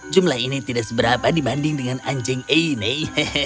jumlah ini tidak seberapa dibanding dengan anjing ini